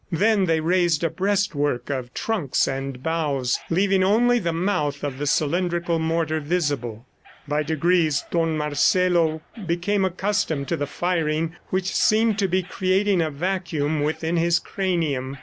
Then they raised a breastwork of trunks and boughs, leaving only the mouth of the cylindrical mortar visible. By degrees Don Marcelo became accustomed to the firing which seemed to be creating a vacuum within his cranium.